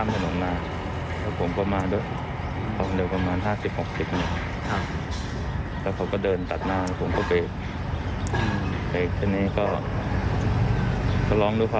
หลังว่าเฮ้ยนี่แหละ